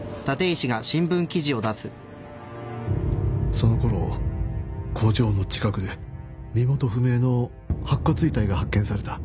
そのころ工場の近くで身元不明の白骨遺体が発見された。